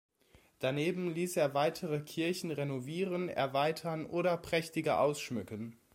Daneben ließ er weitere Kirchen renovieren, erweitern oder prächtiger ausschmücken.